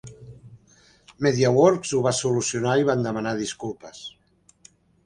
Mediaworks ho va solucionar i van demanar disculpes.